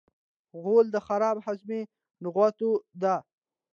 غول د خراب هاضمې نغوته ده.